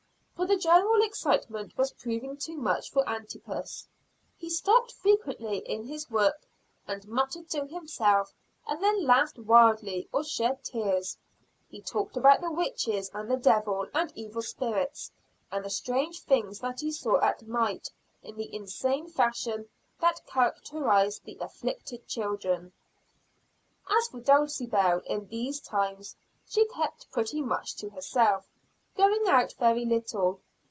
For the general excitement was proving too much for Antipas. Fie stopped frequently in his work, and muttered to himself; and then laughed wildly, or shed tears. He talked about the witches and the Devil and evil spirits, and the strange things that he saw at night, in the insane fashion that characterized the "afflicted children." As for Dulcibel in these times, she kept pretty much to herself, going out very little.